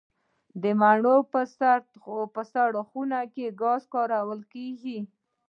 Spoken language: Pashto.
د مڼو په سړه خونه کې ګاز کارول کیږي؟